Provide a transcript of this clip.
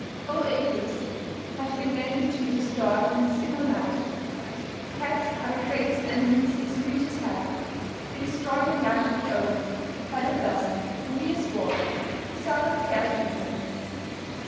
Whole acres have been known to be destroyed in a single night. Cats are the greatest enemies these creatures have: they destroy them young and old, by the dozen, for mere sport they seldom care to eat them.